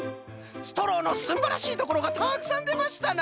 ストローのすんばらしいところがたくさんでましたな！